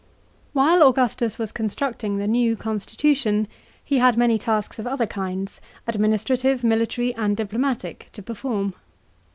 WHILE Augustus was constructing the new constitution he had many tasks of other kinds — administrative, military, and diplomatic — to perform.